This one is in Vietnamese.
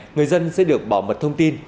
người dân sẽ được bảo mật thông tin